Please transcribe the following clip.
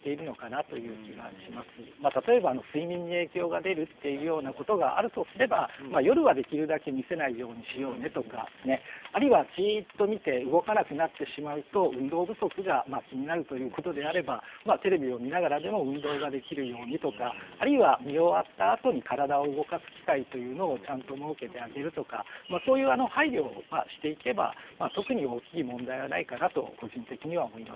例えば睡眠に影響が出るというようなことがあるとすれば夜はできるだけ見せないようにしようねとかあるいはじっと見て動かなくなってしまうと運動不足が気になるということであればテレビを見ながらでも運動ができるようにとかあるいは見終わったあとに体を動かす機会というのをちゃんと設けてあげるとかそういう配慮をしていけば特に大きい問題はないかなと個人的には思います。